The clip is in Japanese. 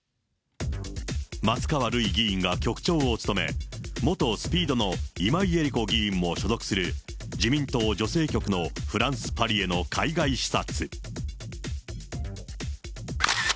松川るい議員が局長を務め、元ＳＰＥＥＤの今井絵理子議員も所属する、自民党女性局のフランス・パリへの海外視察。